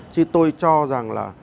chứ tôi cho rằng là